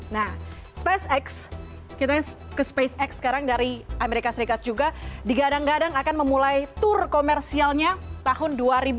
nah spacex kita ke spacex sekarang dari amerika serikat juga digadang gadang akan memulai tour komersialnya tahun dua ribu dua puluh